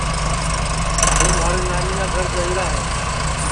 ہوں مھارے نانیا گھر جائیرا ہے